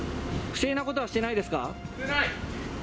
不正なことはしてないですか。